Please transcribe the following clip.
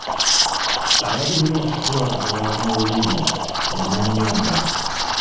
Alabirira olusuku lw’abatabaazi mu Lubiri ye Nnannyonga.